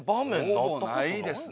ほぼないですね。